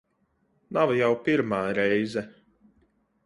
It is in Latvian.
Nav jau pirmā reize.